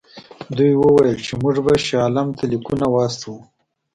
دوی وویل چې موږ به شاه عالم ته لیکونه واستوو.